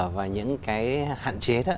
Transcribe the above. và những cái hạn chế